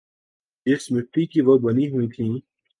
جس مٹی کی وہ بنی ہوئی تھیں۔